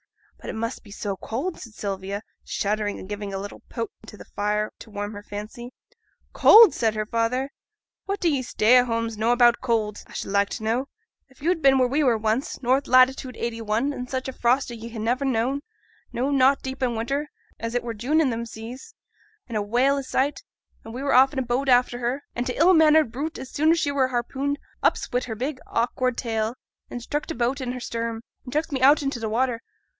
'But it must be so cold,' said Sylvia, shuddering and giving a little poke to the fire to warm her fancy. 'Cold!' said her father, 'what do ye stay at homes know about cold, a should like to know? If yo'd been where a were once, north latitude 81, in such a frost as ye ha' niver known, no, not i' deep winter, and it were June i' them seas, and a whale i' sight, and a were off in a boat after her: an' t' ill mannered brute, as soon as she were harpooned, ups wi' her big awkward tail, and struck t' boat i' her stern, and chucks me out into t' watter.